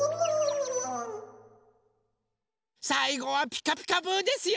さいごは「ピカピカブ！」ですよ。